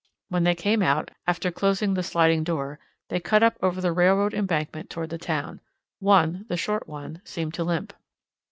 When they came out, after closing the sliding door, they cut up over the railroad embankment toward the town. One, the short one, seemed to limp.